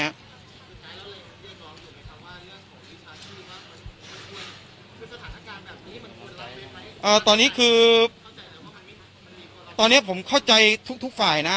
คือสถานการณ์แบบนี้มันควรอะไรเอ่อตอนนี้คือตอนนี้ผมเข้าใจทุกทุกฝ่ายนะ